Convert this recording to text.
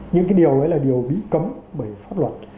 nhưng cái điều đấy là điều bị cấm bởi pháp luật